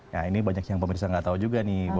nah ini banyak yang pemirsa nggak tahu juga nih